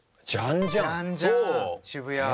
渋谷。